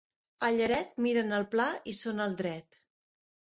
A Lleret, miren el pla i són al dret.